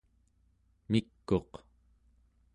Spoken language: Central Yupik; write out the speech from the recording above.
mik'uq